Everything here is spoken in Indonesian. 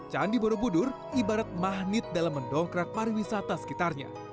candi borobudur ibarat mah nit dalam mendongkrak pariwisata sekitarnya